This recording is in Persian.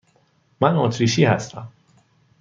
من اتریشی هستم.